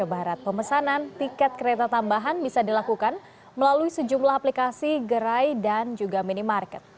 jawa barat pemesanan tiket kereta tambahan bisa dilakukan melalui sejumlah aplikasi gerai dan juga minimarket